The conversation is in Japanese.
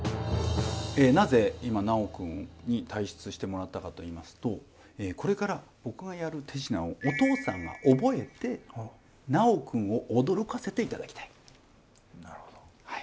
なぜ今尚くんに退出してもらったかといいますとこれから僕がやる手品をお父さんが覚えて尚くんを驚かせて頂きたい。